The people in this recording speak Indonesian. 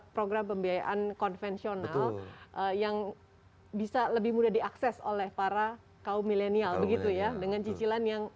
program pembiayaan konvensional yang bisa lebih mudah diakses oleh para kaum milenial begitu ya